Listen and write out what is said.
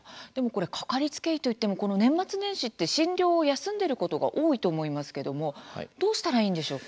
掛かりつけ医といってもこの年末年始って診療を休んでいることが多いと思いますけどもどうしたらいいんでしょうか？